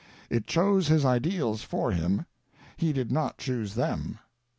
It chose his ideals for him, he did not choose them.